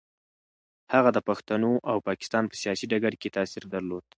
هغه د پښتنو او پاکستان په سیاسي ډګر کې تاثیر درلود.